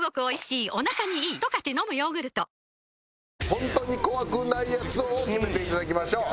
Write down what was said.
本当に怖くないやつ王を決めていただきましょう。